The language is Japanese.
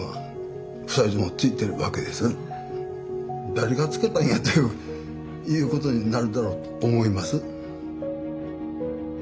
誰がつけたんやということになるだろうと思います。